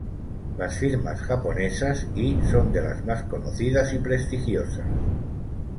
La firmas japonesas y son de las más conocidas y prestigiosas.